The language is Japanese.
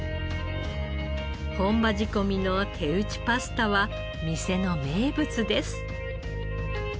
本場仕込みの手打ちパスタは店の名物です。